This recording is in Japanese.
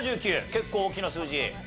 結構大きな数字。